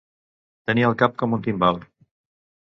Tenir el cap com un timbal.